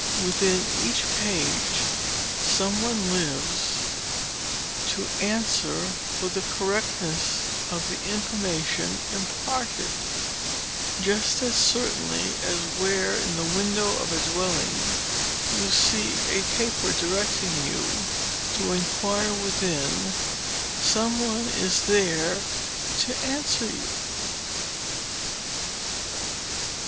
Within each page some one lives to answer for the correctness of the information imparted, just as certainly as where, in the window of a dwelling, you see a paper directing you to "ENQUIRE WITHIN," some one is there to answer you.